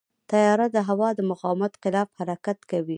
طیاره د هوا د مقاومت خلاف حرکت کوي.